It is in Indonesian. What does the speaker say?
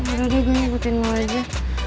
udah deh gue ngikutin lu aja